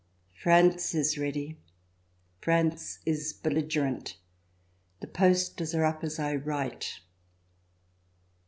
France is ready. France is belligerent. The posters are up as I write.